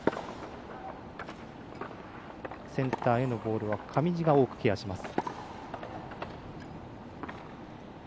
センターへのボールは上地が多くケアします。